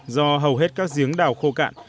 do hầu hết các giếng đào khô cạn